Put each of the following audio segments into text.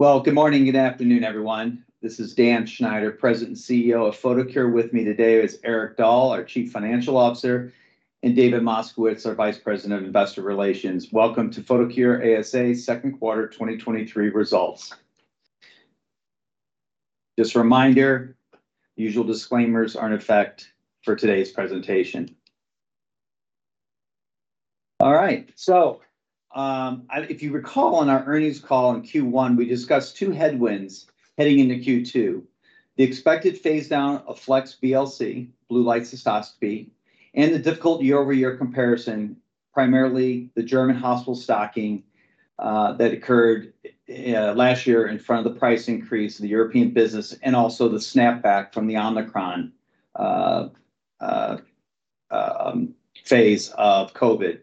Well, good morning, good afternoon, everyone. This is Dan Schneider, President and CEO of Photocure. With me today is Erik Dahl, our Chief Financial Officer, and David Moskowitz, our Vice President, Investor Relations. Welcome to Photocure ASA 2Q 2023 results. Just a reminder, usual disclaimers are in effect for today's presentation. All right, if you recall on our earnings call in Q1, we discussed two headwinds heading into Q2: the expected phase down of Flex BLC, Blue Light Cystoscopy, and the difficult year-over-year comparison, primarily the German hospital stocking that occurred last year in front of the price increase in the European business, and also the snapback from the Omicron phase of COVID.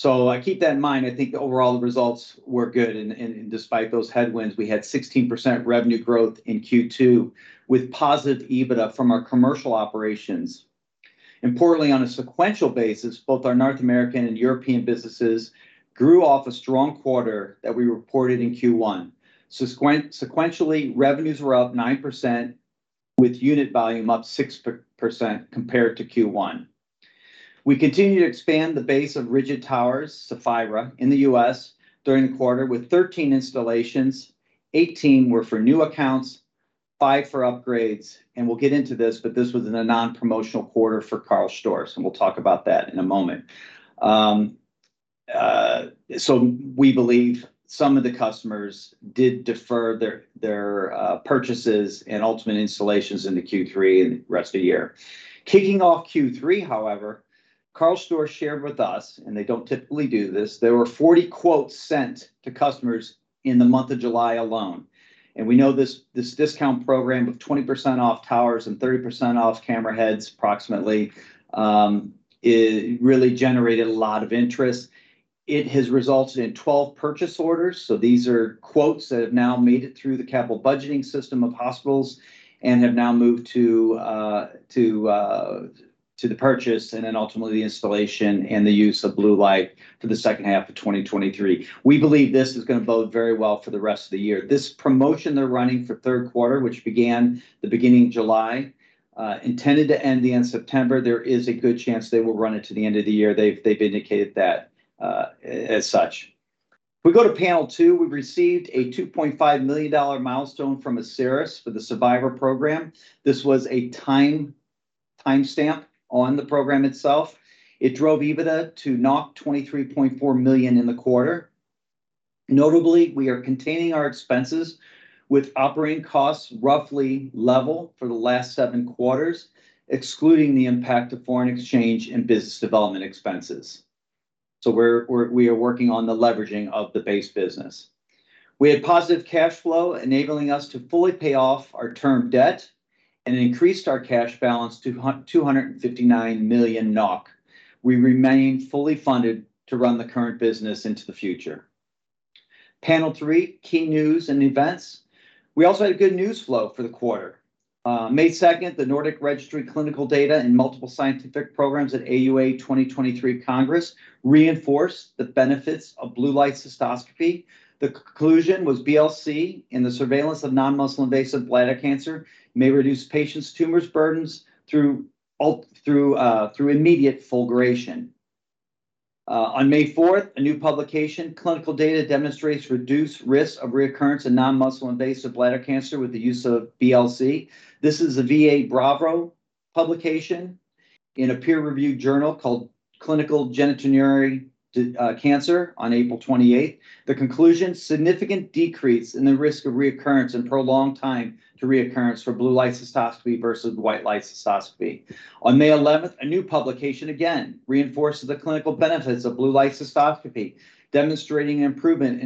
Keep that in mind. I think overall, the results were good, and despite those headwinds, we had 16% revenue growth in Q2, with positive EBITDA from our commercial operations. Importantly, on a sequential basis, both our North American and European businesses grew off a strong quarter that we reported in Q1. Sequentially, revenues were up 9%, with unit volume up 6% compared to Q1. We continue to expand the base of Rigid towers, Saphira, in the U.S. during the quarter, with 13 installations. 18 were for new accounts, five for upgrades, and we'll get into this, but this was in a non-promotional quarter for Karl Storz, and we'll talk about that in a moment. We believe some of the customers did defer their purchases and ultimate installations into Q3 and the rest of the year. Kicking off Q3, however, Karl Storz shared with us, and they don't typically do this, there were 40 quotes sent to customers in the month of July alone. We know this, this discount program of 20% off towers and 30% off camera heads, approximately, it really generated a lot of interest. It has resulted in 12 purchase orders, so these are quotes that have now made it through the capital budgeting system of hospitals and have now moved to, to, to the purchase and then ultimately the installation and the use of blue light for the second half of 2023. We believe this is going to bode very well for the rest of the year. This promotion they're running for 3rd quarter, which began the beginning of July, intended to end the end September, there is a good chance they will run it to the end of the year. They've, they've indicated that as such. If we go to panel two, we received a $2.5 million milestone from Asieris for the Survivor program. This was a time, timestamp on the program itself. It drove EBITDA to 23.4 million in the quarter. Notably, we are containing our expenses, with operating costs roughly level for the last seven quarters, excluding the impact of foreign exchange and business development expenses. We're, we're, we are working on the leveraging of the base business. We had positive cash flow, enabling us to fully pay off our term debt and increased our cash balance to hun- 259 million NOK. We remain fully funded to run the current business into the future. Panel 3, key news and events. We also had a good news flow for the quarter. May 2nd, the Nordic Registry clinical data and multiple scientific programs at AUA 2023 Congress reinforced the benefits of Blue Light Cystoscopy. The conclusion was BLC in the surveillance of non-muscle invasive bladder cancer may reduce patients' tumors burdens through immediate fulguration. On May 4th, a new publication, clinical data demonstrates reduced risk of recurrence and non-muscle invasive bladder cancer with the use of BLC. This is a VA BRAVO publication in a peer-reviewed journal called Clinical Genitourinary Cancer on April 28th. The conclusion, significant decrease in the risk of recurrence and prolonged time to recurrence for Blue Light Cystoscopy versus white light cystoscopy. On May 11th, a new publication again reinforced the clinical benefits of Blue Light Cystoscopy, demonstrating improvement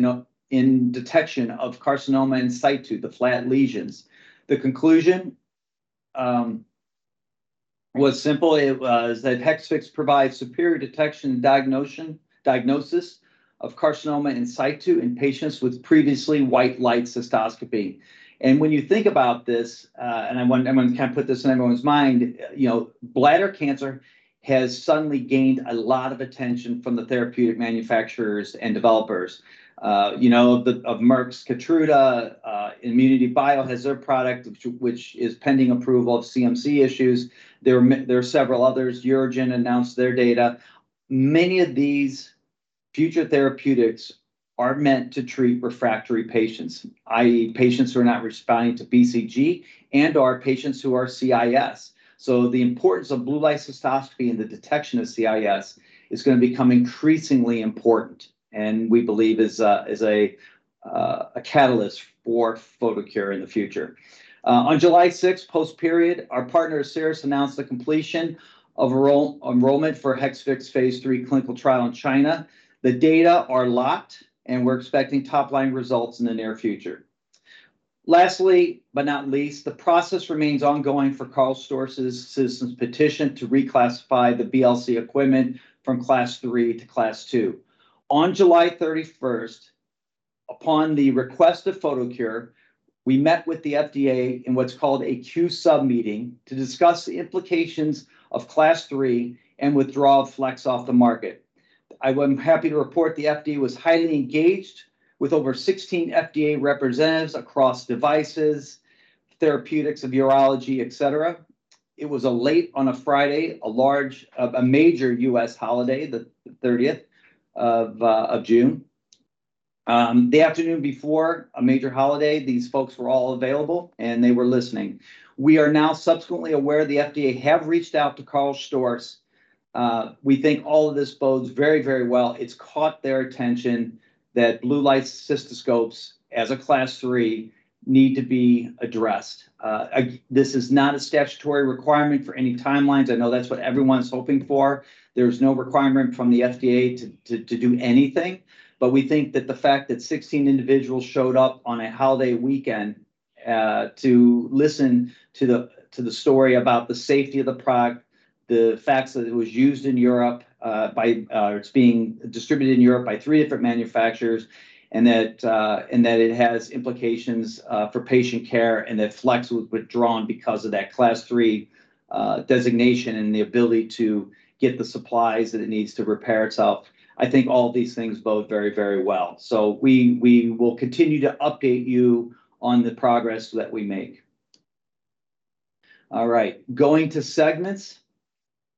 in detection of carcinoma in situ, the flat lesions. The conclusion was simple. It was that Hexvix provides superior detection and diagnosis of carcinoma in situ in patients with previously white light cystoscopy. When you think about this, and I want, I want to kind of put this in everyone's mind, you know, bladder cancer has suddenly gained a lot of attention from the therapeutic manufacturers and developers. You know, of Merck's Keytruda, ImmunityBio has their product, which, which is pending approval of CMC issues. There are several others. UroGen announced their data. Many of these future therapeutics are meant to treat refractory patients, i.e., patients who are not responding to BCG and/or patients who are CIS. The importance of Blue Light Cystoscopy in the detection of CIS is going to become increasingly important, and we believe is a, is a, a catalyst for Photocure in the future. On July 6th, post-period, our partner, Asieris, announced the completion of enrollment for Hexvix phase III clinical trial in China. The data are locked, and we're expecting top-line results in the near future. Lastly, but not least, the process remains ongoing for Karl Storz's petition to reclassify the BLC equipment from Class III to Class II. On July 31st, upon the request of Photocure, we met with the FDA in what's called a Q-Sub meeting, to discuss the implications of Class III and withdraw Flex off the market. I'm happy to report the FDA was highly engaged with over 16 FDA representatives across devices, therapeutics, urology, et cetera. It was a late on a Friday, a large, a major U.S. holiday, the June 30th. The afternoon before a major holiday, these folks were all available, and they were listening. We are now subsequently aware the FDA have reached out to Karl Storz. We think all of this bodes very, very well. It's caught their attention that blue light cystoscopes, as a Class III, need to be addressed. This is not a statutory requirement for any timelines. I know that's what everyone's hoping for. There's no requirement from the FDA to do anything, but we think that the fact that 16 individuals showed up on a holiday weekend to listen to the story about the safety of the product, the facts that it was used in Europe, by... it's being distributed in Europe by three different manufacturers, and that, and that it has implications for patient care, and that Flex was withdrawn because of that Class III designation and the ability to get the supplies that it needs to repair itself. I think all of these things bode very, very well. We, we will continue to update you on the progress that we make. All right, going to segments.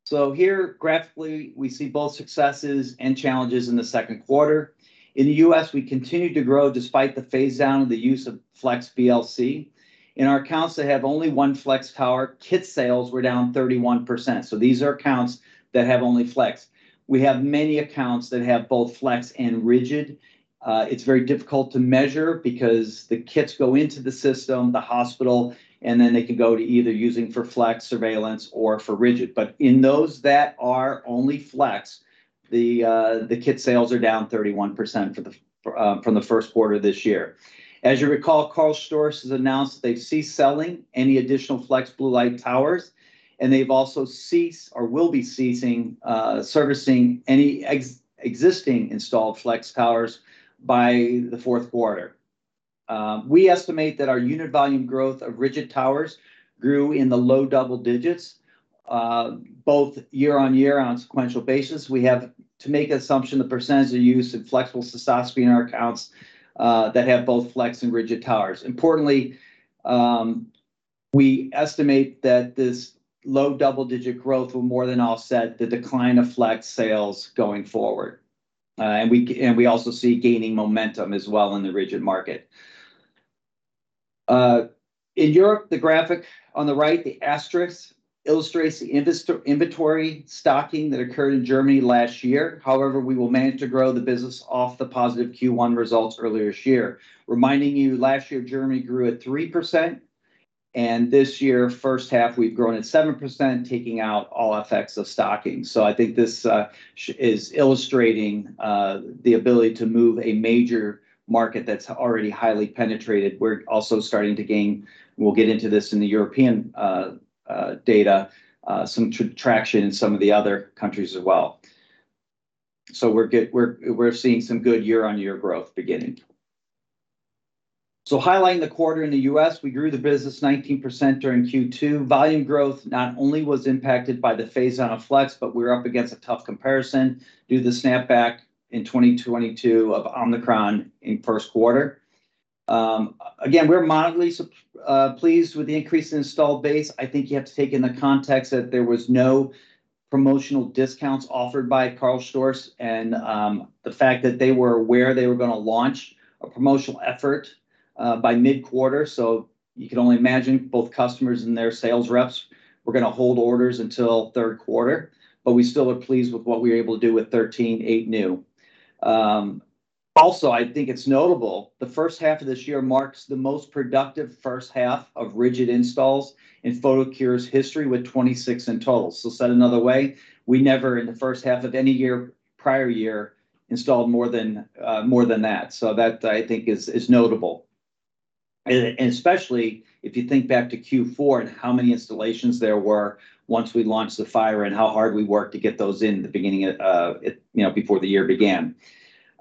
Here, graphically, we see both successes and challenges in the second quarter. In the U.S., we continued to grow despite the phase-down of the use of Flex BLC. In our accounts that have only one Flex tower, kit sales were down 31%, so these are accounts that have only Flex. We have many accounts that have both Flex and Rigid. It's very difficult to measure because the kits go into the system, the hospital, and then they can go to either using for Flex surveillance or for Rigid. In those that are only Flex, the kit sales are down 31% for the from the first quarter this year. As you recall, Karl Storz has announced that they've ceased selling any additional Flex blue light towers, and they've also ceased or will be ceasing servicing any existing installed Flex towers by the fourth quarter. We estimate that our unit volume growth of Rigid towers grew in the low double digits, both year-on-year on a sequential basis. We have to make assumption the percentage of use of flexible cystoscopy in our accounts that have both Flex and Rigid towers. Importantly, we estimate that this low double-digit growth will more than offset the decline of Flex sales going forward. We also see gaining momentum as well in the Rigid market. In Europe, the graphic on the right, the asterisk, illustrates the inventory stocking that occurred in Germany last year. However, we will manage to grow the business off the positive Q1 results earlier this year. Reminding you, last year, Germany grew at 3%, and this year, first half, we've grown at 7%, taking out all effects of stocking. I think this is illustrating the ability to move a major market that's already highly penetrated. We're also starting to gain, we'll get into this in the European data, some traction in some of the other countries as well. We're, we're seeing some good year-on-year growth beginning. Highlighting the quarter in the U.S., we grew the business 19% during Q2. Volume growth not only was impacted by the phase-out of Flex, but we're up against a tough comparison due to the snapback in 2022 of Omicron in first quarter. Again, we're mildly pleased with the increase in installed base. I think you have to take in the context that there was no promotional discounts offered by Karl Storz, and the fact that they were aware they were gonna launch a promotional effort by mid-quarter. You can only imagine both customers and their sales reps were gonna hold orders until third quarter, but we still are pleased with what we were able to do with 13, eight new. Also, I think it's notable, the first half of this year marks the most productive first half of Rigid installs in Photocure's history, with 26 in total. Said another way, we never in the first half of any year, prior year, installed more than more than that. That, I think, is, is notable. And especially if you think back to Q4 and how many installations there were once we launched the Saphira, and how hard we worked to get those in the beginning of, you know, before the year began.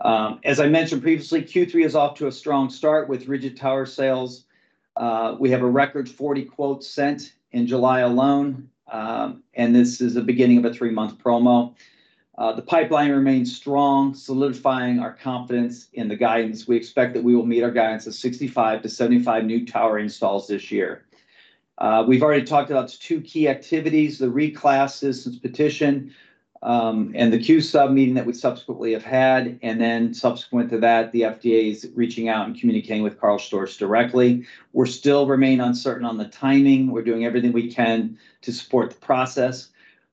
As I mentioned previously, Q3 is off to a strong start with Rigid tower sales. We have a record 40 quotes sent in July alone, and this is the beginning of a three-month promo. The pipeline remains strong, solidifying our confidence in the guidance. We expect that we will meet our guidance of 65-75 new tower installs this year. We've already talked about two key activities, the Citizen's Petition, and the Q-Sub meeting that we subsequently have had. Subsequent to that, the FDA is reaching out and communicating with Karl Storz directly. We're still remain uncertain on the timing. We're doing everything we can to support the process.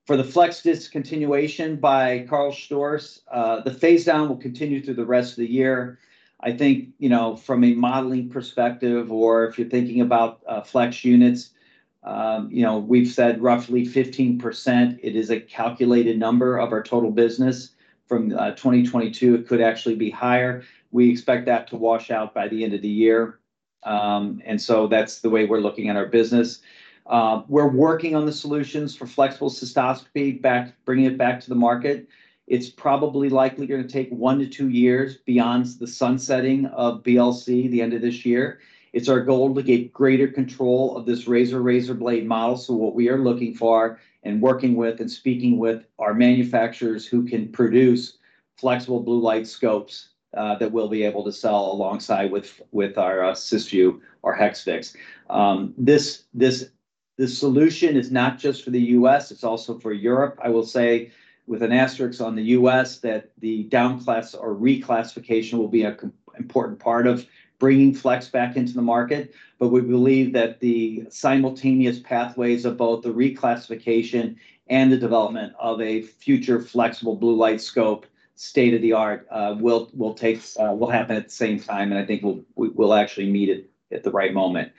For the Flex BLC discontinuation by Karl Storz, the phase down will continue through the rest of the year. I think, you know, from a modeling perspective or if you're thinking about Flex BLC units, you know, we've said roughly 15%. It is a calculated number of our total business. From 2022, it could actually be higher. We expect that to wash out by the end of the year. That's the way we're looking at our business. We're working on the solutions for flexible cystoscopy, bringing it back to the market. It's probably likely gonna take one to two years beyond the sun setting of BLC, the end of this year. It's our goal to get greater control of this razor-razor blade model. What we are looking for, and working with, and speaking with our manufacturers who can produce flexible blue light scopes, that we'll be able to sell alongside with, with our Cysview or Hexvix. This solution is not just for the U.S., it's also for Europe. I will say, with an asterisk on the U.S., that the downclass or reclassification will be a important part of bringing Flex back into the market. We believe that the simultaneous pathways of both the reclassification and the development of a future flexible blue light scope, state-of-the-art, will happen at the same time, and I think we'll actually meet it at the right moment.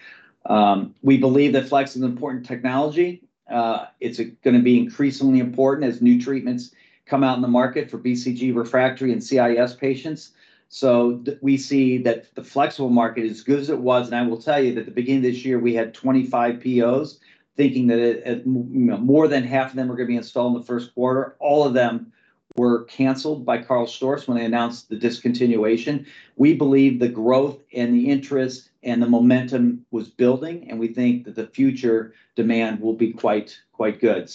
We believe that Flex is an important technology. It's gonna be increasingly important as new treatments come out in the market for BCG, refractory, and CIS patients. We see that the flexible market is as good as it was, and I will tell you that at the beginning of this year, we had 25 POs, thinking that More than half of them were gonna be installed in the 1st quarter. All of them were cancelled by Karl Storz when they announced the discontinuation. We believe the growth and the interest and the momentum was building, and we think that the future demand will be quite, quite good.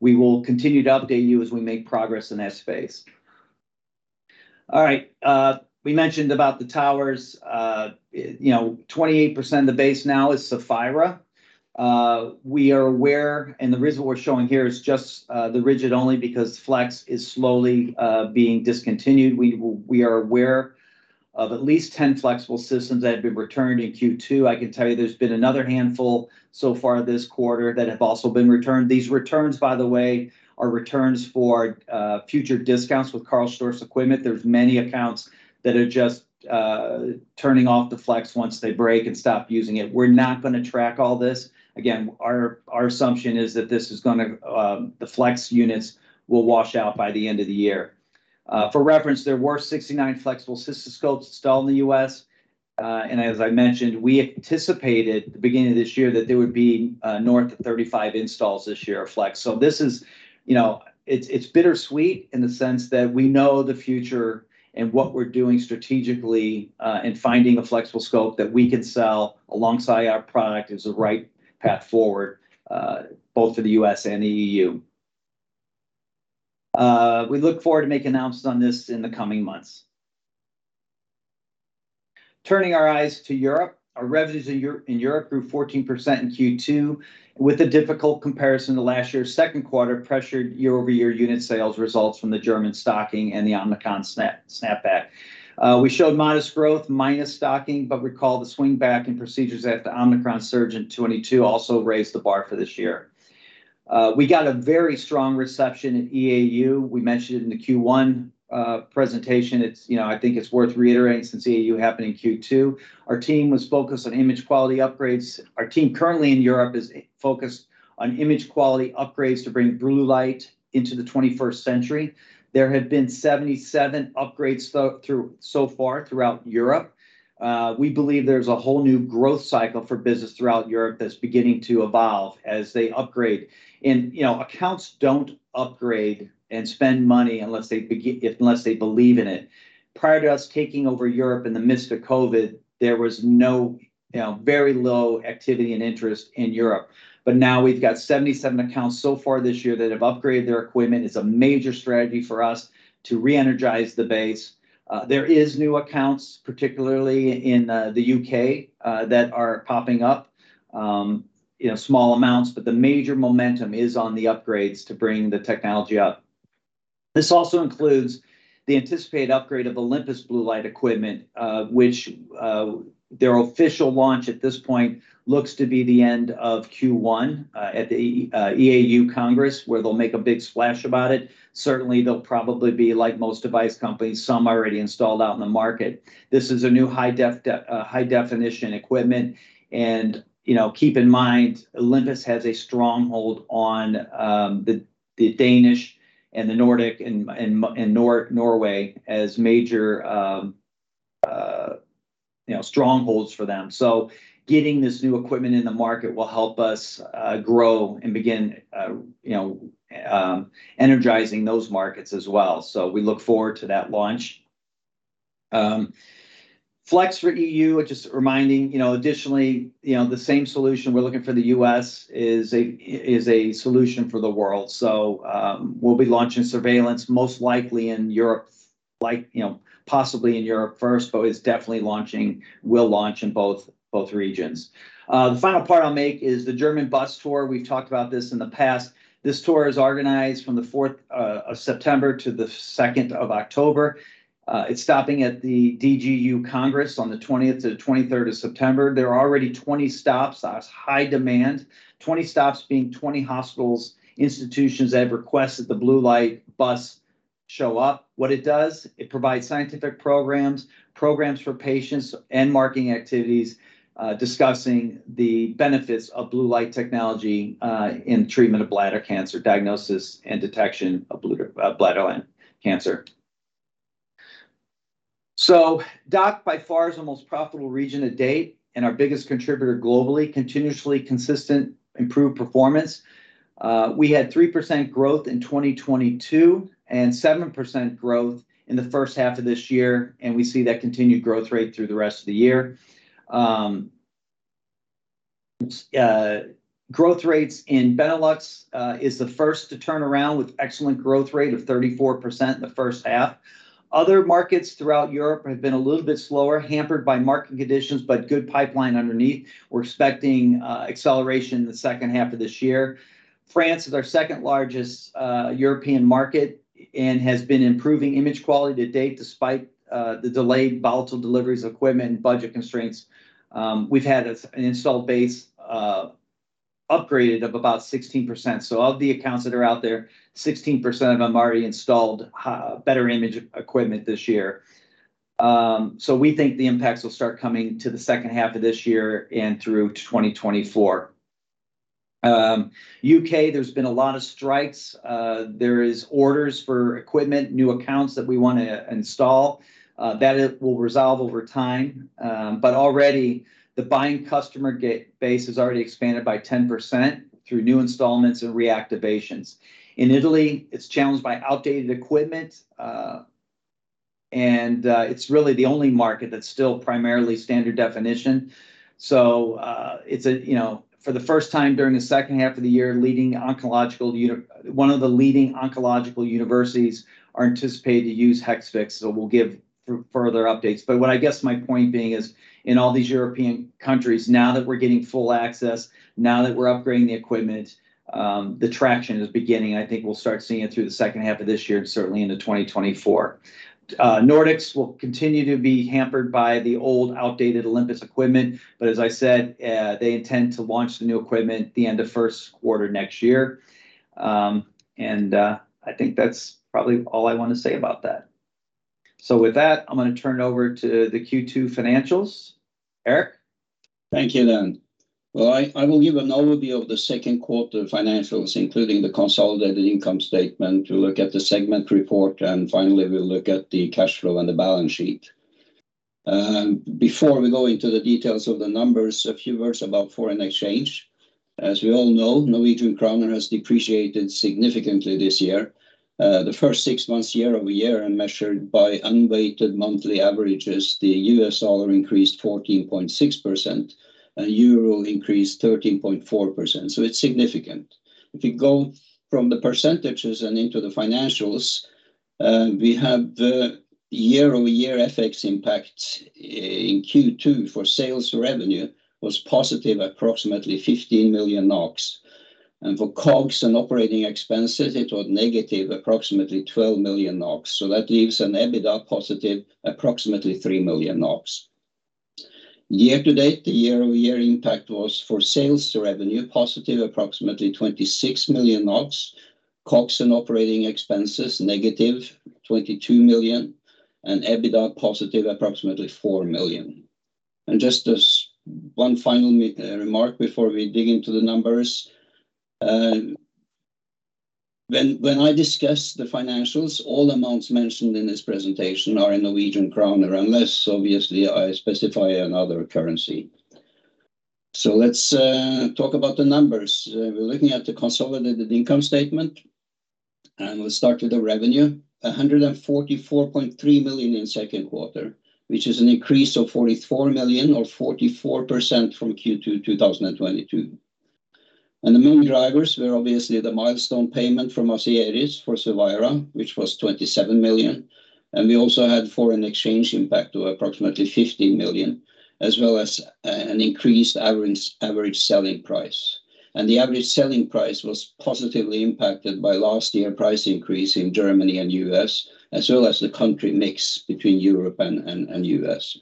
We will continue to update you as we make progress in that space. All right, we mentioned about the towers, you know 28% of the base now is Saphira. We are aware, and the reason what we're showing here is just the Rigid only because Flex is slowly being discontinued. We, we are aware of at least 10 flexible systems that have been returned in Q2. I can tell you there's been another handful so far this quarter that have also been returned. These returns, by the way, are returns for future discounts with Karl Storz equipment. There's many accounts that are just turning off the Flex once they break and stop using it. We're not gonna track all this. Again, our, our assumption is that this is gonna the Flex units will wash out by the end of the year. For reference, there were 69 flexible cystoscopes installed in the U.S., and as I mentioned, we anticipated at the beginning of this year that there would be north of 35 installs this year of Flex. This is, you know, it's, it's bittersweet in the sense that we know the future and what we're doing strategically in finding a flexible scope that we can sell alongside our product is the right path forward, both for the U.S. and the EU. We look forward to make announcements on this in the coming months. Turning our eyes to Europe, our revenues in Europe grew 14% in Q2, with a difficult comparison to last year's second quarter, pressured year-over-year unit sales results from the German stocking and the Omicron snapback. We showed modest growth, minus stocking. Recall the swing back in procedures after the Omicron surge in 2022 also raised the bar for this year. We got a very strong reception at EAU. We mentioned it in the Q1 presentation. It's, you know, I think it's worth reiterating since EAU happened in Q2. Our team was focused on image quality upgrades. Our team currently in Europe is focused on image quality upgrades to bring Blue Light into the twenty-first century. There have been 77 upgrades through so far throughout Europe. We believe there's a whole new growth cycle for business throughout Europe that's beginning to evolve as they upgrade. You know, accounts don't upgrade and spend money unless they believe in it. Prior to us taking over Europe in the midst of COVID, there was no, you know, very low activity and interest in Europe. Now we've got 77 accounts so far this year that have upgraded their equipment. It's a major strategy for us to re-energize the base. There is new accounts, particularly in the U.K. that are popping up, you know, small amounts, but the major momentum is on the upgrades to bring the technology up. This also includes the anticipated upgrade of Olympus blue light equipment, which, their official launch at this point, looks to be the end of Q1, at the EAU Congress, where they'll make a big splash about it. Certainly, they'll probably be like most device companies, some already installed out in the market. This is a new high-definition equipment, and, you know, keep in mind, Olympus has a stronghold on, the Danish and the Nordic and Norway as major, you know, strongholds for them. Getting this new equipment in the market will help us grow and begin, you know, energizing those markets as well. We look forward to that launch. Flex for EU, just reminding, you know, additionally, you know, the same solution we're looking for the U.S. is a solution for the world. We'll be launching surveillance, most likely in Europe, like, you know, possibly in Europe first, but it's definitely launching, we'll launch in both, both regions. The final part I'll make is the German bus tour. We've talked about this in the past. This tour is organized from the September 4th to the October 2nd. It's stopping at the DGU Congress on the September 20th to the 23rd. There are already 20 stops, that's high demand. 20 stops being 20 hospitals, institutions that have requested the Blue Light bus show up. What it does? It provides scientific programs, programs for patients and marketing activities, discussing the benefits of blue light technology in treatment of bladder cancer, diagnosis, and detection of bladder cancer. DACH, by far, is the most profitable region to date and our biggest contributor globally, continuously consistent, improved performance. We had 3% growth in 2022, and 7% growth in the first half of this year, and we see that continued growth rate through the rest of the year. Growth rates in Benelux is the first to turn around with excellent growth rate of 34% in the first half. Other markets throughout Europe have been a little bit slower, hampered by market conditions, but good pipeline underneath. We're expecting acceleration in the second half of this year. France is our second-largest European market and has been improving image quality to date, despite the delayed volatile deliveries of equipment and budget constraints. We've had an installed base upgraded of about 16%. Of the accounts that are out there, 16% of them already installed better image equipment this year. We think the impacts will start coming to the second half of this year and through 2024. U.K., there's been a lot of strikes. There is orders for equipment, new accounts that we want to install, that it will resolve over time. Already, the buying customer base has already expanded by 10% through new installments and reactivations. In Italy, it's challenged by outdated equipment and it's really the only market that's still primarily standard definition. It's a, you know. For the first time during the second half of the year, leading oncological one of the leading oncological universities are anticipated to use Hexvix, so we'll give further updates. What I guess my point being is, in all these European countries, now that we're getting full access, now that we're upgrading the equipment, the traction is beginning. I think we'll start seeing it through the second half of this year and certainly into 2024. Nordics will continue to be hampered by the old, outdated Olympus equipment, but as I said, they intend to launch the new equipment the end of first quarter next year. I think that's probably all I want to say about that. With that, I'm going to turn it over to the Q2 financials. Eirik? Thank you, Dan. Well, I, I will give an overview of the second quarter financials, including the consolidated income statement. We'll look at the segment report, finally, we'll look at the cash flow and the balance sheet. Before we go into the details of the numbers, a few words about foreign exchange. As we all know, Norwegian kroner has depreciated significantly this year. The first six months, year-over-year, and measured by unweighted monthly averages, the U.S. dollar increased 14.6%, and euro increased 13.4%, it's significant. If you go from the percentages and into the financials, we have the year-over-year FX impact in Q2 for sales revenue was positive, approximately 15 million NOK. For COGS and operating expenses, it was negative, approximately 12 million NOK, that leaves an EBITDA positive, approximately 3 million NOK. Year to date, the year-over-year impact was for sales revenue, positive, approximately 26 million, COGS and operating expenses, negative 22 million, and EBITDA, positive, approximately 4 million. Just as one final remark before we dig into the numbers, when I discuss the financials, all amounts mentioned in this presentation are in Norwegian kroner, unless, obviously, I specify another currency. Let's talk about the numbers. We're looking at the consolidated income statement, and we'll start with the revenue, 144.3 million in second quarter, which is an increase of 44 million or 44% from Q2 2022. The main drivers were obviously the milestone payment from Asieris for Cevira, which was 27 million, and we also had foreign exchange impact to approximately 15 million, as well as an increased average selling price. The average selling price was positively impacted by last year's price increase in Germany and the U.S., as well as the country mix between Europe and the U.S.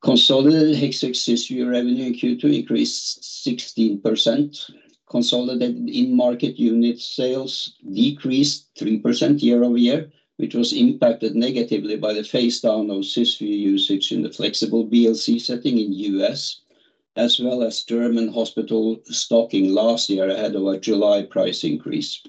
Consolidated Hexvix Cysview revenue in Q2 increased 16%. Consolidated in-market unit sales decreased 3% year-over-year, which was impacted negatively by the phase down of Cysview usage in the Flex BLC setting in the U.S., as well as German hospital stocking last year ahead of a July price increase.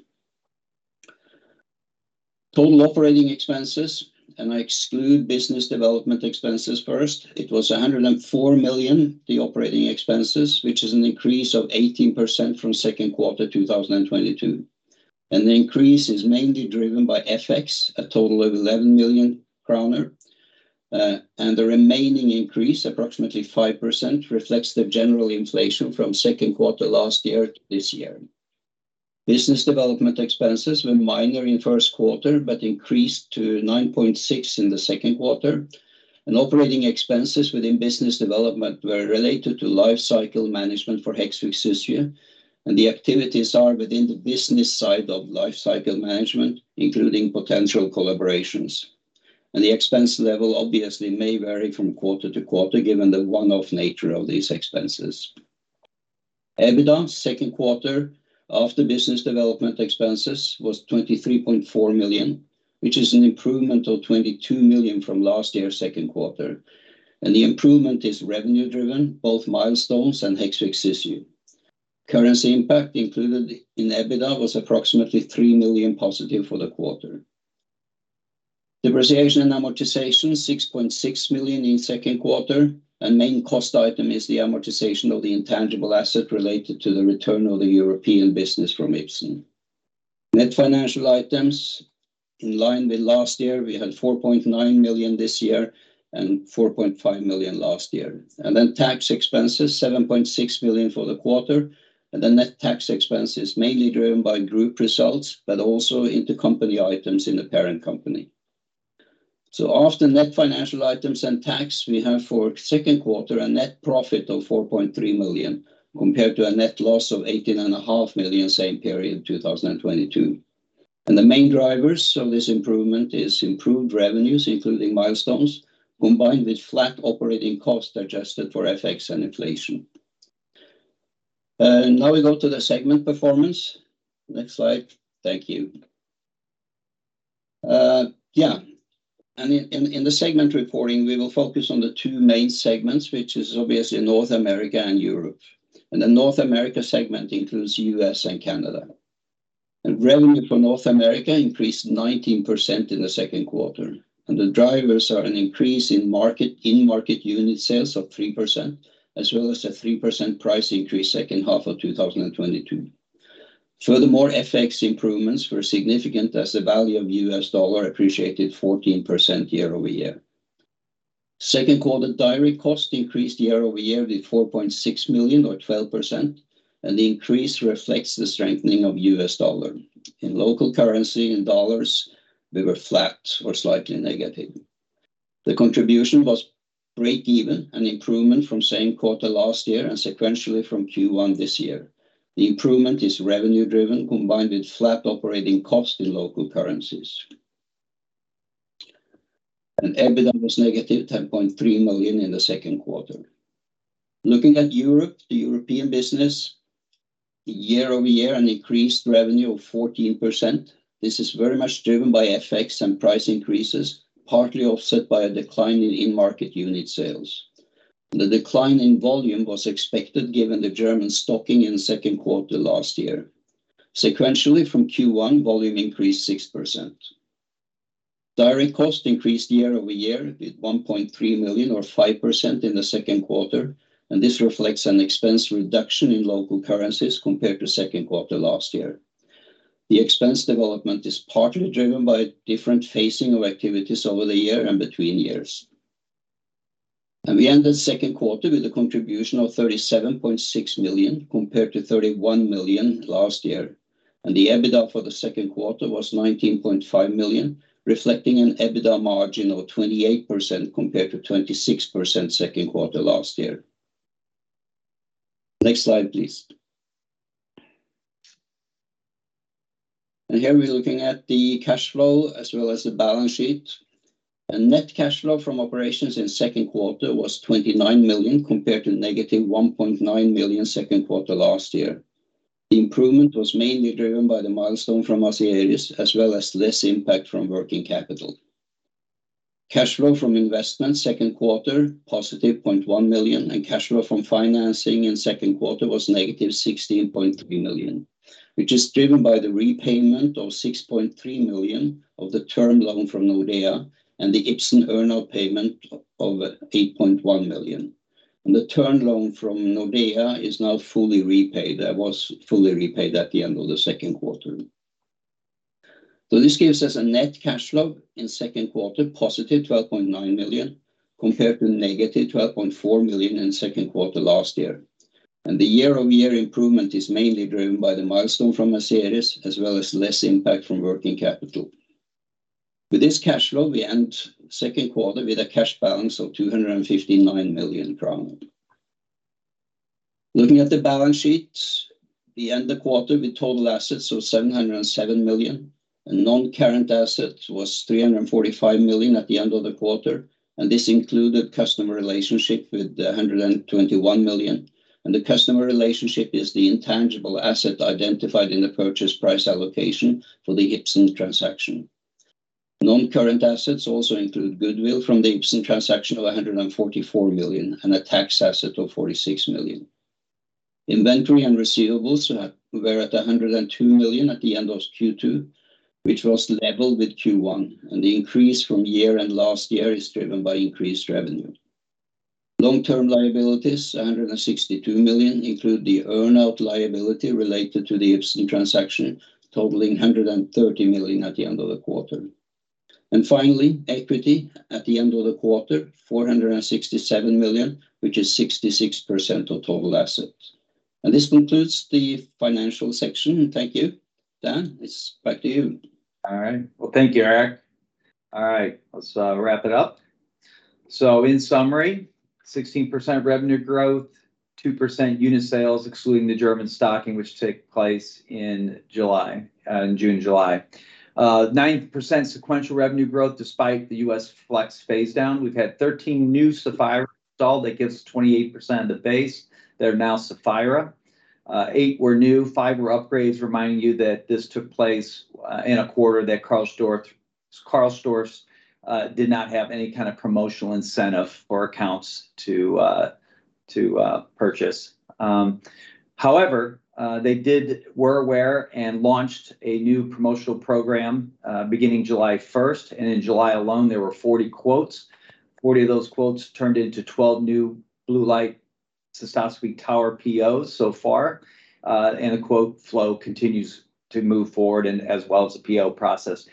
Total operating expenses, and I exclude business development expenses first, it was 104 million, the operating expenses, which is an increase of 18% from second quarter 2022. The increase is mainly driven by FX, a total of 11 million kroner. The remaining increase, approximately 5%, reflects the general inflation from second quarter last year to this year. Business development expenses were minor in first quarter, but increased to 9.6 million in the second quarter. Operating expenses within business development were related to lifecycle management for Hexvix Cysview. The activities are within the business side of lifecycle management, including potential collaborations. The expense level obviously may vary from quarter to quarter, given the one-off nature of these expenses. EBITDA second quarter of the business development expenses was 23.4 million, which is an improvement of 22 million from last year's second quarter. The improvement is revenue driven, both milestones and Hexvix Cysview. Currency impact included in EBITDA was approximately 3 million positive for the quarter. Depreciation and amortization, 6.6 million in second quarter. Main cost item is the amortization of the intangible asset related to the return of the European business from Ipsen. Net financial items, in line with last year, we had 4.9 million this year, 4.5 million last year. Tax expenses, 7.6 million for the quarter, the net tax expense is mainly driven by group results, but also intercompany items in the parent company. After net financial items and tax, we have for second quarter a net profit of 4.3 million, compared to a net loss of 18.5 million same period, 2022. The main drivers of this improvement is improved revenues, including milestones, combined with flat operating costs adjusted for FX and inflation. Now we go to the segment performance. Next slide. Thank you. Yeah, in the segment reporting, we will focus on the two main segments, which is obviously North America and Europe. The North America segment includes U.S. and Canada. Revenue for North America increased 19% in the second quarter, and the drivers are an increase in market- in-market unit sales of 3%, as well as a 3% price increase second half of 2022. Furthermore, FX improvements were significant as the value of U.S. dollar appreciated 14% year-over-year. Second quarter, direct cost increased year-over-year with 4.6 million, or 12%, the increase reflects the strengthening of U.S. dollar. In local currency, in dollars, we were flat or slightly negative. The contribution was break even, an improvement from same quarter last year and sequentially from Q1 this year. The improvement is revenue-driven, combined with flat operating costs in local currencies. EBITDA was negative 10.3 million in the second quarter. Looking at Europe, the European business, year-over-year, an increased revenue of 14%. This is very much driven by FX and price increases, partly offset by a decline in in-market unit sales. The decline in volume was expected, given the German stocking in second quarter last year. Sequentially from Q1, volume increased 6%. Direct cost increased year-over-year with 1.3 million, or 5% in the second quarter, and this reflects an expense reduction in local currencies compared to second quarter last year. The expense development is partly driven by different phasing of activities over the year and between years. We ended second quarter with a contribution of 37.6 million, compared to 31 million last year. The EBITDA for the second quarter was 19.5 million, reflecting an EBITDA margin of 28%, compared to 26% second quarter last year. Next slide, please. Here, we're looking at the cash flow as well as the balance sheet. Net cash flow from operations in second quarter was 29 million, compared to negative 1.9 million second quarter last year. The improvement was mainly driven by the milestone from Asieris, as well as less impact from working capital. Cash flow from investment, second quarter, positive 0.1 million, and cash flow from financing in second quarter was negative 16.3 million, which is driven by the repayment of 6.3 million of the term loan from Nordea and the Ipsen earn-out payment of 8.1 million. The term loan from Nordea is now fully repaid. That was fully repaid at the end of the second quarter. This gives us a net cash flow in second quarter, positive 12.9 million, compared to negative 12.4 million in second quarter last year. The year-over-year improvement is mainly driven by the milestone from Asieris, as well as less impact from working capital. With this cash flow, we end second quarter with a cash balance of 259 million crown. Looking at the balance sheet, we end the quarter with total assets of 707 million, and non-current assets was 345 million at the end of the quarter, and this included customer relationship with 121 million. The customer relationship is the intangible asset identified in the purchase price allocation for the Ipsen transaction. Non-current assets also include goodwill from the Ipsen transaction of 144 million, and a tax asset of 46 million. Inventory and receivables were at 102 million at the end of Q2, which was level with Q1. The increase from year and last year is driven by increased revenue. Long-term liabilities, 162 million, include the earn-out liability related to the Ipsen transaction, totaling 130 million at the end of the quarter. Finally, equity at the end of the quarter, 467 million, which is 66% of total assets. This concludes the financial section. Thank you. Dan, it's back to you. All right. Well, thank you, Erik. All right, let's wrap it up. In summary, 16% revenue growth, 2% unit sales, excluding the German stocking, which took place in July, in June and July. 9% sequential revenue growth despite the U.S. Flex phase-down. We've had 13 new Saphira installed. That gives us 28% of the base that are now Saphira. Eight were new, five were upgrades, reminding you that this took place in a quarter that Karl Storz did not have any kind of promotional incentive or accounts to purchase. However, they were aware and launched a new promotional program beginning July 1st, and in July alone, there were 40 quotes. 40 of those quotes turned into 12 new Blue Light Cystoscopy tower POs so far. The quote flow continues to move forward as well as the PO process.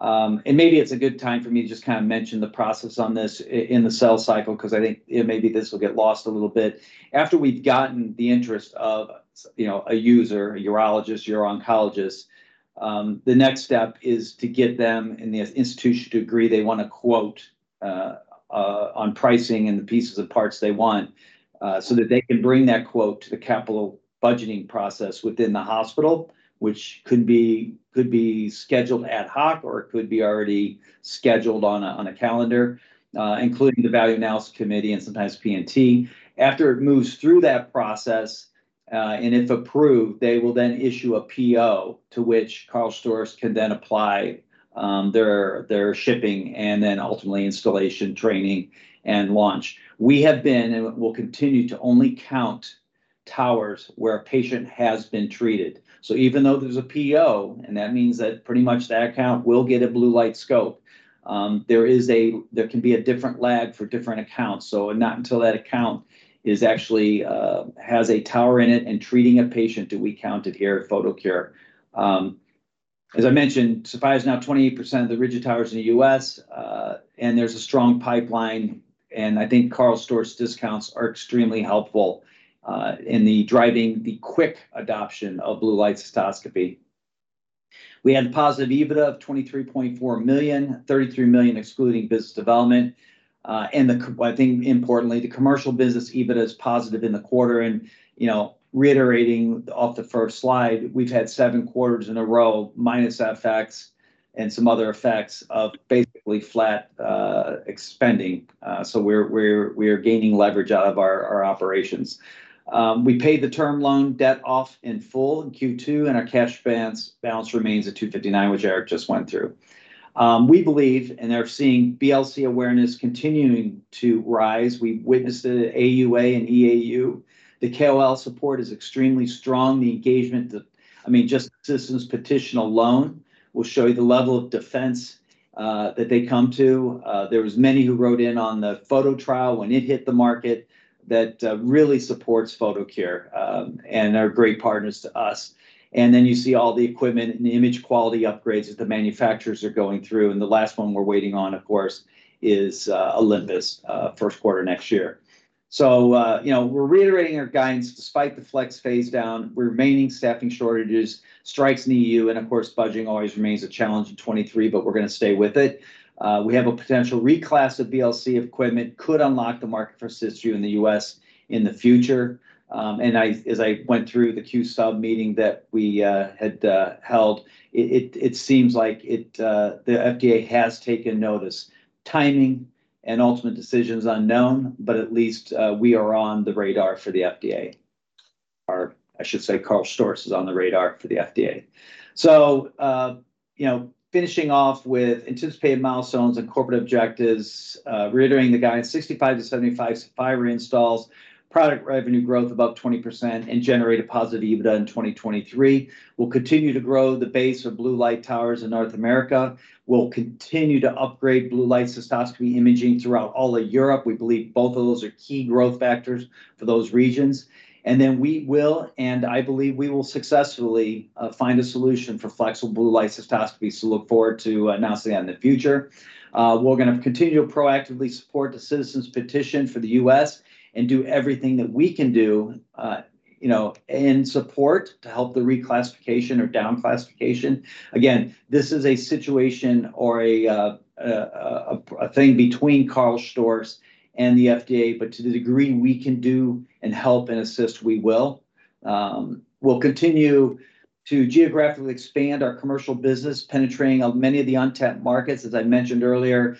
Maybe it's a good time for me to just kind of mention the process in the sales cycle, because I think maybe this will get lost a little bit. After we've gotten the interest of, you know, a user, a urologist, urooncologist, the next step is to get them and the institution to agree they want to quote on pricing and the pieces of parts they want, so that they can bring that quote to the capital budgeting process within the hospital, which could be, could be scheduled ad hoc, or it could be already scheduled on a, on a calendar, including the value analysis committee and sometimes P&T. After it moves through that process, and if approved, they will then issue a PO, to which Karl Storz can then apply, their, their shipping and then ultimately installation, training, and launch. We have been and will continue to only count towers where a patient has been treated. Even though there's a PO, and that means that pretty much that account will get a blue light scope, there can be a different lag for different accounts. Not until that account is actually, has a tower in it and treating a patient, do we count it here at Photocure. As I mentioned, Saphira is now 28% of the Rigid towers in the U.S., and there's a strong pipeline, and I think Karl Storz discounts are extremely helpful, in the driving the quick adoption of Blue Light Cystoscopy. We had positive EBITDA of 23.4 million, 33 million excluding business development. I think importantly, the commercial business EBITDA is positive in the quarter. You know, reiterating off the first slide, we've had seven quarters in a row, minus FX and some other effects of basically flat expending. So we're, we're, we are gaining leverage out of our operations. We paid the term loan debt off in full in Q2, and our cash balance remains at 259 million, which Erik just went through. We believe, and are seeing BLC awareness continuing to rise. We witnessed it at AUA and EAU. The KOL support is extremely strong. The engagement, I mean, just Citizen's Petition alone will show you the level of defense that they come to. There was many who wrote in on the PHOTO trial when it hit the market that really supports Photocure and are great partners to us. You see all the equipment and the image quality upgrades that the manufacturers are going through, and the last one we're waiting on, of course, is Olympus, first quarter next year. You know, we're reiterating our guidance despite the Flex phase down, remaining staffing shortages, strikes in the EU, and of course, budgeting always remains a challenge in 2023, but we're going to stay with it. We have a potential reclass of BLC equipment, could unlock the market for Cysview in the U.S. in the future. As I went through the Q-Sub meeting that we had held, it seems like it, the FDA has taken notice. Timing and ultimate decisions unknown, at least, we are on the radar for the FDA. I should say, Karl Storz is on the radar for the FDA. You know, finishing off with anticipated milestones and corporate objectives, reiterating the guide, 65 to 75 Saphira installs, product revenue growth above 20%, and generate a positive EBITDA in 2023. We'll continue to grow the base of blue light towers in North America. We'll continue to upgrade Blue Light Cystoscopy imaging throughout all of Europe. We believe both of those are key growth factors for those regions. We will, and I believe we will successfully, find a solution for flexible Blue Light Cystoscopy, look forward to announcing that in the future. We're going to continue to proactively support the Citizen's Petition for the U.S. and do everything that we can do, you know, in support to help the reclassification or down classification. Again, this is a situation or a thing between Karl Storz and the FDA, but to the degree we can do and help and assist, we will. We'll continue to geographically expand our commercial business, penetrating of many of the untapped markets. As I mentioned earlier,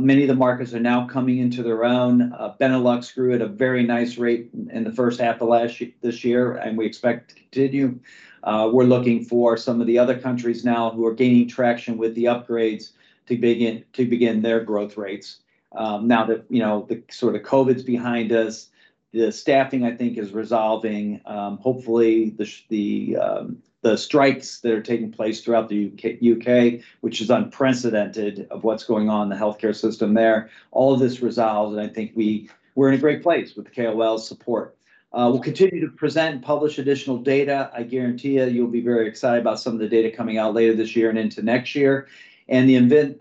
many of the markets are now coming into their own. Benelux grew at a very nice rate in the first half of last year-- this year, and we expect to continue. We're looking for some of the other countries now who are gaining traction with the upgrades to begin their growth rates. Now that, you know, the sort of COVID's behind us, the staffing, I think, is resolving, hopefully, the strikes that are taking place throughout the U.K., U.K., which is unprecedented of what's going on in the healthcare system there. I think we're in a great place with the KOL support. We'll continue to present and publish additional data. I guarantee you, you'll be very excited about some of the data coming out later this year and into next year. The event,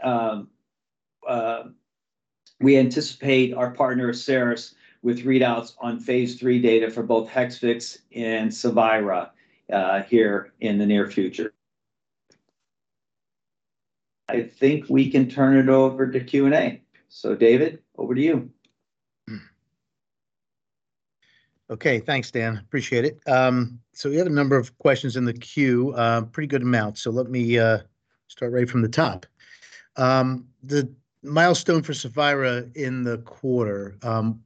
we anticipate our partner, Asieris, with readouts on phase III data for both Hexvix and Saphira, here in the near future. I think we can turn it over to Q&A. David, over to you. Okay, thanks, Dan. Appreciate it. We had a number of questions in the queue, pretty good amount. Let me start right from the top. The milestone for Saphira in the quarter,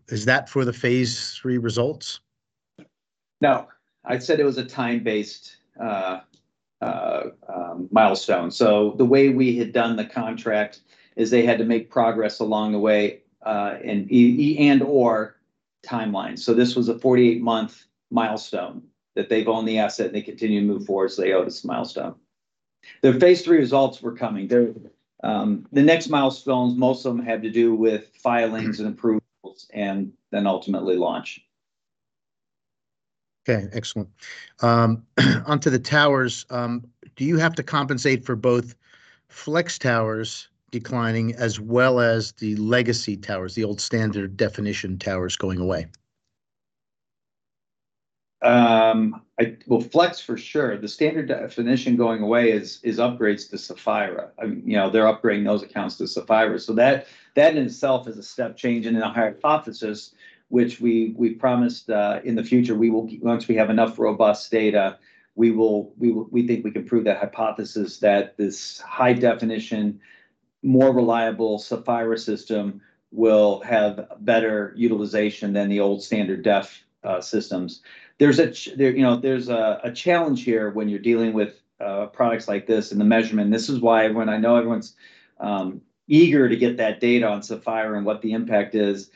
is that for the phase III results? No, I said it was a time-based milestone. The way we had done the contract is they had to make progress along the way, and/or timeline. This was a 48-month milestone that they've owned the asset, and they continue to move forward, so they owe this milestone. The phase III results were coming. They're the next milestones, most of them had to do with filings and approvals, and then ultimately launch. Okay, excellent. Onto the towers, do you have to compensate for both Flex towers declining as well as the legacy towers, the old standard definition towers going away? Well, Flex for sure. The standard-definition going away is upgrades to Saphira. You know, they're upgrading those accounts to Saphira. That, that in itself is a step change in our hypothesis, which we, we promised in the future once we have enough robust data, we think we can prove that hypothesis that this high-definition, more reliable Saphira system will have better utilization than the old standard-def systems. There's a, you know, there's a, a challenge here when you're dealing with products like this and the measurement. This is why when I know everyone's eager to get that data on Saphira and what the impact is,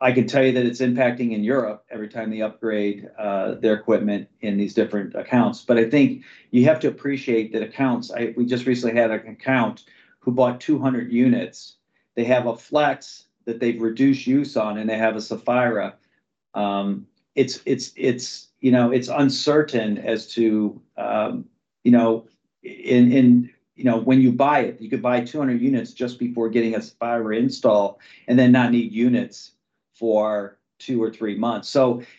I can tell you that it's impacting in Europe every time they upgrade their equipment in these different accounts. I think you have to appreciate that we just recently had an account who bought 200 units. They have a Flex that they've reduced use on, and they have a Saphira. It's, it's, it's, you know, it's uncertain as to, you know, you know, when you buy it, you could buy 200 units just before getting a Saphira install and then not need units for two or three months.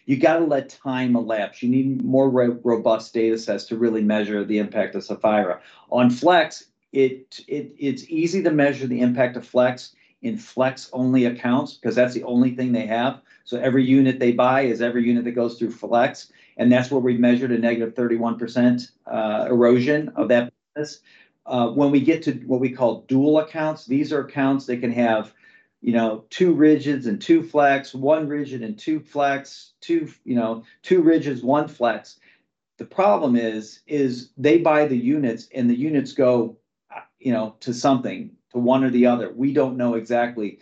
You got to let time elapse. You need more ro- robust datasets to really measure the impact of Saphira. On Flex, it, it- it's easy to measure the impact of Flex in Flex-only accounts, because that's the only thing they have. Every unit they buy is every unit that goes through Flex, and that's where we measured a negative 31% erosion of that business. When we get to what we call dual accounts, these are accounts that can have, you know, two Rigids and two Flex, one Rigid and two Flex, two, you know, two Rigids, one Flex. The problem is, is they buy the units, and the units go, you know, to something, to one or the other. We don't know exactly.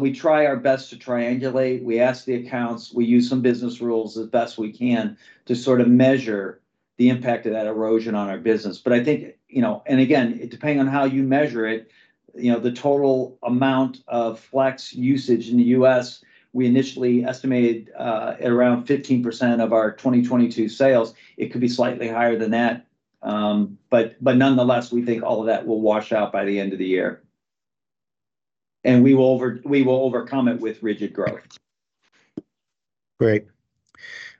We try our best to triangulate. We ask the accounts, we use some business rules as best we can to sort of measure the impact of that erosion on our business. I think, you know. Again, depending on how you measure it, you know, the total amount of Flex usage in the U.S., we initially estimated at around 15% of our 2022 sales. It could be slightly higher than that. But nonetheless, we think all of that will wash out by the end of the year. We will overcome it with Rigid growth. Great.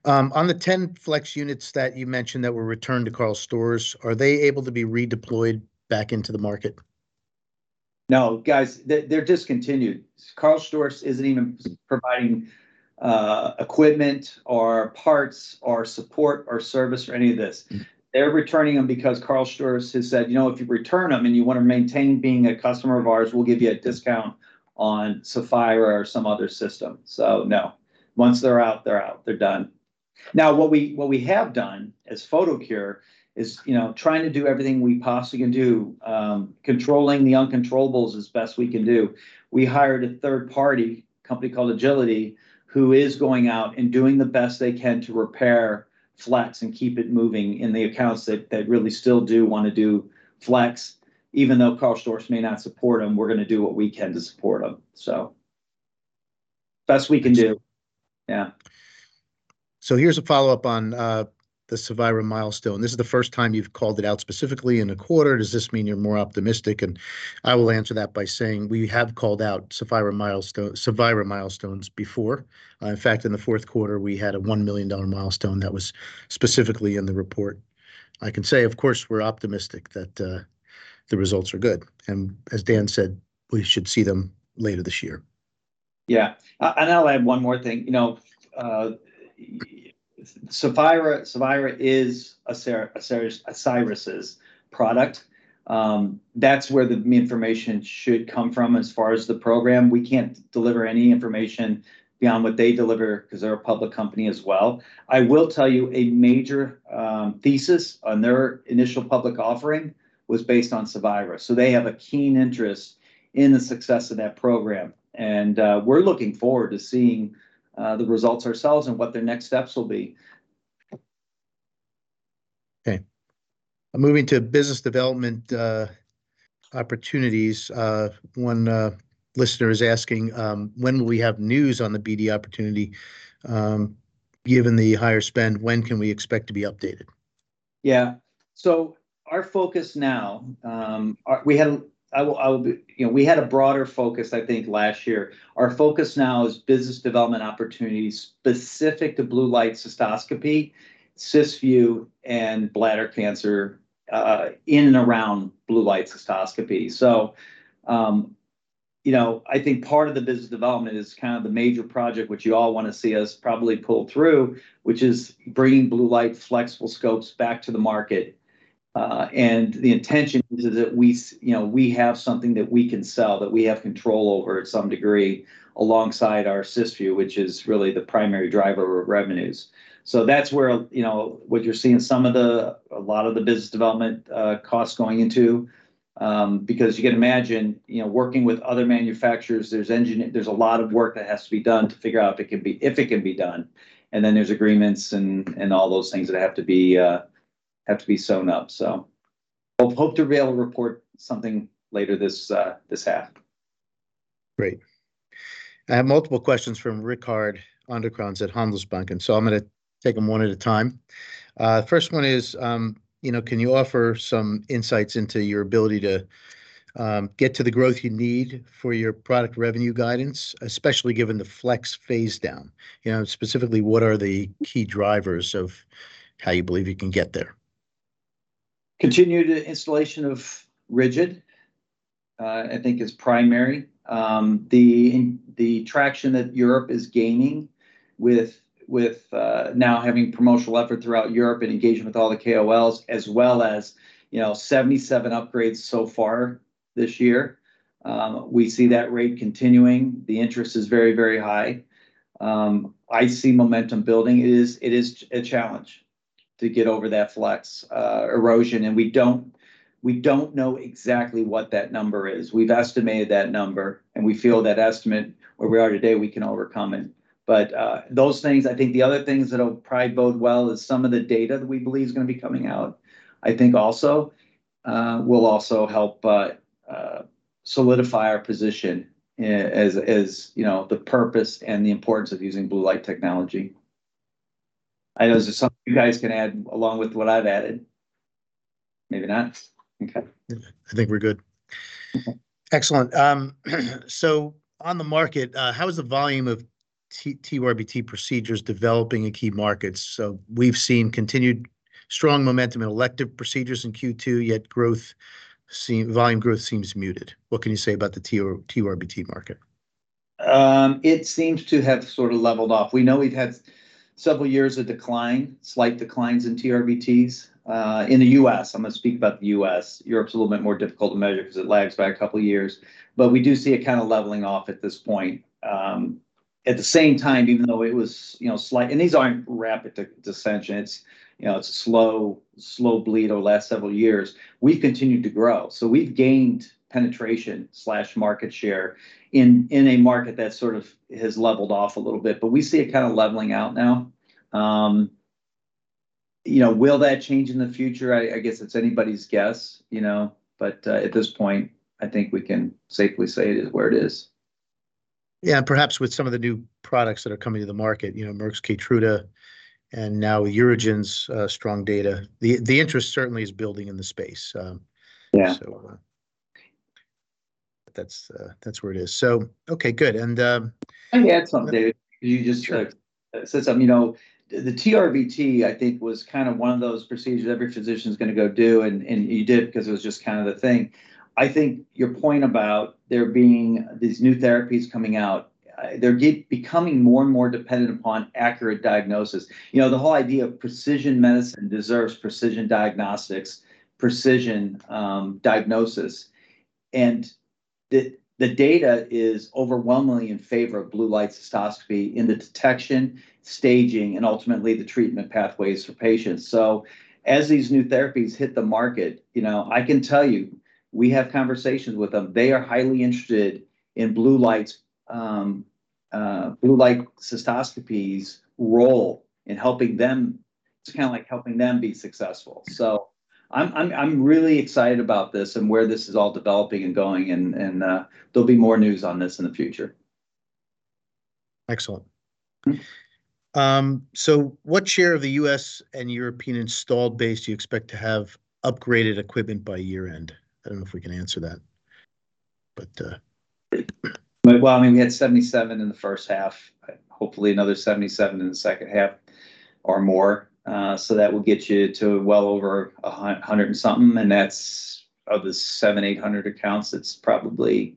On the 10 Flex units that you mentioned that were returned to Karl Storz, are they able to be redeployed back into the market? No, guys, they're, they're discontinued. Karl Storz isn't even providing equipment, or parts, or support, or service, or any of this. They're returning them because Karl Storz has said: "You know, if you return them, and you want to maintain being a customer of ours, we'll give you a discount on Saphira or some other system." No, once they're out, they're out. They're done. Now, what we, what we have done as Photocure is, you know, trying to do everything we possibly can do, controlling the uncontrollables as best we can do. We hired a third-party company called Agiliti, who is going out and doing the best they can to repair Flex and keep it moving in the accounts that, that really still do want to do Flex. Even though Karl Storz may not support them, we're going to do what we can to support them, so best we can do. Yeah. Here's a follow-up on the Saphira milestone. "This is the first time you've called it out specifically in a quarter. Does this mean you're more optimistic?" I will answer that by saying we have called out Saphira milestones before. In fact, in the fourth quarter, we had a $1 million milestone that was specifically in the report. I can say, of course, we're optimistic that the results are good, and as Dan said, we should see them later this year. Yeah, and I'll add one more thing. You know, Saphira, Saphira is a Karl Storz's product. That's where the information should come from as far as the program. We can't deliver any information beyond what they deliver because they're a public company as well. I will tell you, a major thesis on their initial public offering was based on Saphira, so they have a keen interest in the success of that program, and we're looking forward to seeing the results ourselves and what their next steps will be. Okay. Moving to business development opportunities, one listener is asking: "When will we have news on the BD opportunity? Given the higher spend, when can we expect to be updated? Yeah. Our focus now, I will, I will, you know, we had a broader focus, I think, last year. Our focus now is business development opportunities specific to Blue Light Cystoscopy, Cysview, and bladder cancer, in and around Blue Light Cystoscopy. You know, I think part of the business development is kind of the major project, which you all want to see us probably pull through, which is bringing blue light flexible scopes back to the market. And the intention is that we, you know, we have something that we can sell, that we have control over to some degree, alongside our Cysview, which is really the primary driver of revenues. That's where, you know, what you're seeing some of the, a lot of the business development, costs going into. Because you can imagine, you know, working with other manufacturers, there's a lot of work that has to be done to figure out if it can be, if it can be done, and then there's agreements and, and all those things that have to be sewn up. I hope to be able to report something later this half. Great. I have multiple questions from Rikard Anderkrans at Handelsbanken, so I'm going to take them one at a time. First one is, you know, can you offer some insights into your ability to get to the growth you need for your product revenue guidance, especially given the Flex phase down? You know, specifically, what are the key drivers of how you believe you can get there? Continued installation of Rigid, I think is primary. The, the traction that Europe is gaining with, with, now having promotional effort throughout Europe and engagement with all the KOLs, as well as, you know, 77 upgrades so far this year. We see that rate continuing. The interest is very, very high. I see momentum building. It is, it is a challenge to get over that Flex erosion, and we don't, we don't know exactly what that number is. We've estimated that number, and we feel that estimate, where we are today, we can overcome it. I think the other things that'll probably bode well is some of the data that we believe is going to be coming out, I think also, will also help solidify our position as, as, you know, the purpose and the importance of using blue light technology. I know there's something you guys can add along with what I've added. Maybe not? Okay. I think we're good. Excellent. On the market, how is the volume of TURBT procedures developing in key markets? We've seen continued strong momentum in elective procedures in Q2, yet volume growth seems muted. What can you say about the TURBT market? It seems to have sort of leveled off. We know we've had several years of decline, slight declines in TURBTs in the U.S. I'm going to speak about the U.S. Europe's a little bit more difficult to measure because it lags by a couple of years, but we do see it kind of leveling off at this point. At the same time, even though it was, you know, slight. These aren't rapid dissension, it's, you know, it's a slow, slow bleed over the last several years. We've continued to grow, so we've gained penetration/market share in, in a market that sort of has leveled off a little bit, but we see it kind of leveling out now. You know, will that change in the future? I, I guess it's anybody's guess, you know, but, at this point, I think we can safely say it is where it is. Yeah, perhaps with some of the new products that are coming to the market, you know, Merck's Keytruda and now UroGen's strong data. The, the interest certainly is building in the space. Yeah ... so, but that's, that's where it is. Okay, good. Let me add something, David. You just- Sure... said something. You know, the TURBT, I think, was kind of one of those procedures every physician's going to go do, and, and you did, because it was just kind of the thing. I think your point about there being these new therapies coming out, they're becoming more and more dependent upon accurate diagnosis. You know, the whole idea of precision medicine deserves precision diagnostics, precision diagnosis. The data is overwhelmingly in favor of Blue Light Cystoscopy in the detection, staging, and ultimately, the treatment pathways for patients. So as these new therapies hit the market, you know, I can tell you, we have conversations with them. They are highly interested in blue light, Blue Light Cystoscopy's role in helping them-- It's kind of like helping them be successful. I'm really excited about this and where this is all developing and going, and there'll be more news on this in the future. Excellent. Mm-hmm. What share of the U.S. and European installed base do you expect to have upgraded equipment by year-end? I don't know if we can answer that, but... Well, I mean, we had 77 in the first half, hopefully another 77 in the second half or more. That will get you to well over a hundred and something, and that's of the 700-800 accounts, it's probably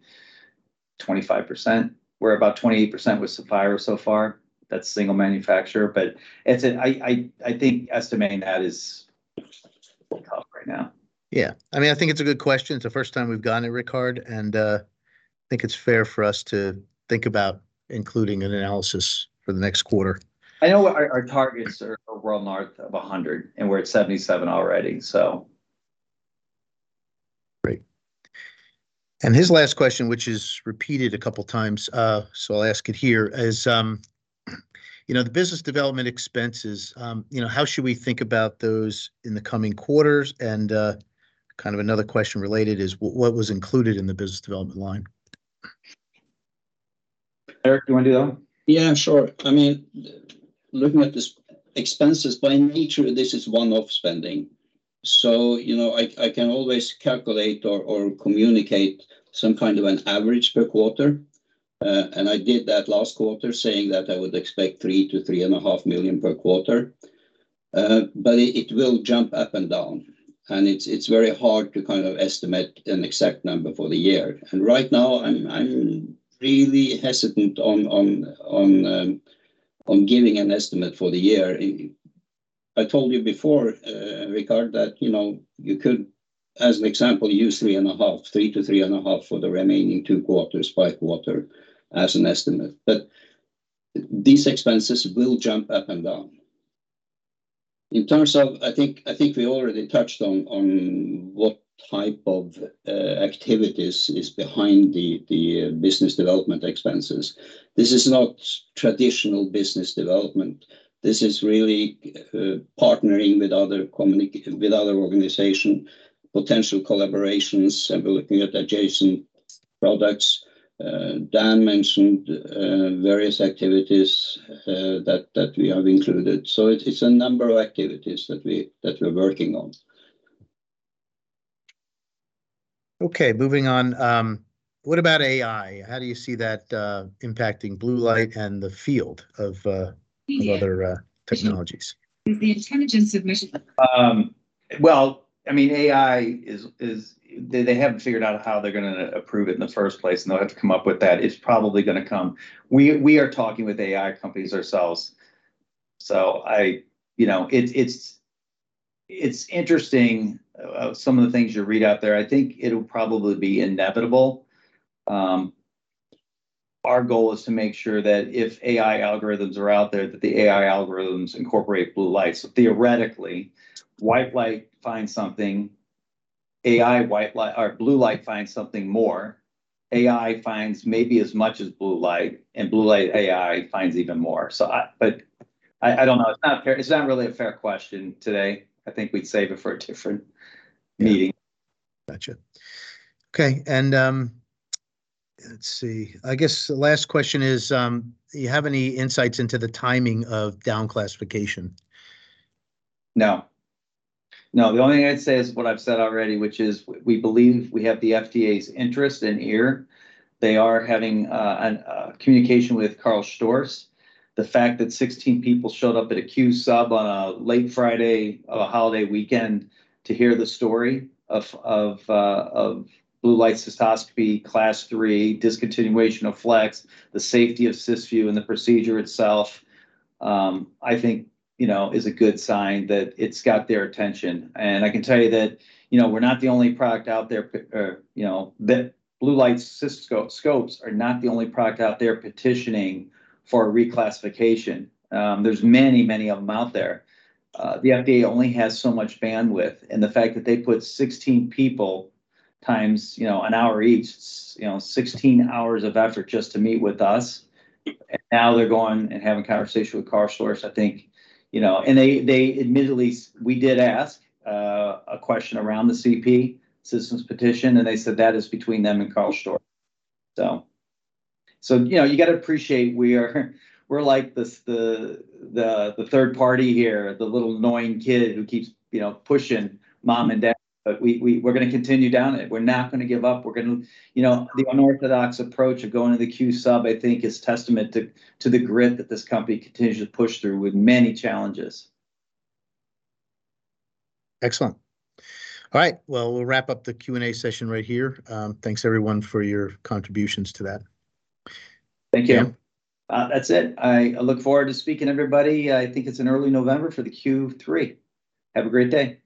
25%. We're about 28% with Saphira so far. That's single manufacturer, but I think estimating that is tough right now. Yeah. I mean, I think it's a good question. It's the first time we've gotten it, Rikard. I think it's fair for us to think about including an analysis for the next quarter. I know our, our targets are well north of 100, and we're at 77 already, so... Great. And his last question, which is repeated a couple of times, so I'll ask it here, is, you know, the business development expenses, you know, how should we think about those in the coming quarters? Kind of another question related is what was included in the business development line? Erik, do you want to do that one? Yeah, sure. I mean, looking at these expenses, by nature, this is one-off spending. You know, I, I can always calculate or, or communicate some kind of an average per quarter. I did that last quarter, saying that I would expect 3 million-3.5 million per quarter. It, it will jump up and down, and it's, it's very hard to kind of estimate an exact number for the year. Right now, I'm, I'm really hesitant on, on, on, on giving an estimate for the year. I told you before, Rickard, that, you know, you could, as an example, use NOK 3.5 million, 3 million-3.5 million for the remaining two quarters, by quarter, as an estimate. These expenses will jump up and down. In terms of, I think, I think we already touched on, on what type of activities is behind the, the business development expenses. This is not traditional business development. This is really partnering with other organization, potential collaborations, and we're looking at adjacent products. Dan mentioned various activities that, that we have included, so it's a number of activities that we're working on. Okay, moving on. What about AI? How do you see that impacting blue light and the field of other technologies? The intelligence submission. Well, I mean, AI is, they haven't figured out how they're gonna approve it in the first place. They'll have to come up with that. It's probably gonna come. We are talking with AI companies ourselves. You know, it's interesting, some of the things you read out there. I think it'll probably be inevitable. Our goal is to make sure that if AI algorithms are out there, that the AI algorithms incorporate blue light. Theoretically, white light finds something, AI white light or blue light finds something more. AI finds maybe as much as blue light, blue light AI finds even more. I don't know. It's not a fair, it's not really a fair question today. I think we'd save it for a different-. Yeah ...meeting. Gotcha. Okay, let's see. I guess the last question is, do you have any insights into the timing of down classification? No. No, the only thing I'd say is what I've said already, which is we believe we have the FDA's interest in here. They are having a communication with Karl Storz. The fact that 16 people showed up at a Q-Sub on a late Friday of a holiday weekend to hear the story of blue light cystoscopy, Class III, discontinuation of Flex, the safety of Cysview and the procedure itself, I think, you know, is a good sign that it's got their attention. I can tell you that, you know, we're not the only product out there, or, you know, that blue light scopes are not the only product out there petitioning for a reclassification. There's many, many of them out there. The FDA only has so much bandwidth, and the fact that they put 16 people times, you know, one hour each, you know, 16 hours of effort just to meet with us, and now they're going and having a conversation with Karl Storz, I think, you know. They, they admittedly, we did ask a question around the CP, Citizen's Petition, and they said that is between them and Karl Storz. So, you know, you got to appreciate, we're like, the, the, the third party here, the little annoying kid who keeps, you know, pushing Mom and Dad, but we're gonna continue down it. We're not gonna give up. We're gonna. You know, the unorthodox approach of going to the Q-Sub, I think, is testament to the grit that this company continues to push through with many challenges. Excellent. All right, well, we'll wrap up the Q&A session right here. Thanks, everyone, for your contributions to that. Thank you. Yeah. That's it. I, I look forward to speaking everybody. I think it's in early November for the Q3. Have a great day.